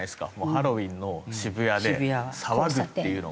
ハロウィーンの渋谷で騒ぐっていうのが。